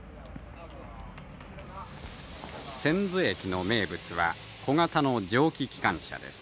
千頭駅の名物は小型の蒸気機関車です。